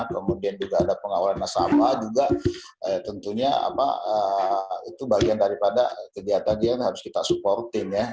kemudian juga ada pengawalan nasabah juga tentunya itu bagian daripada kegiatan dia yang harus kita supporting ya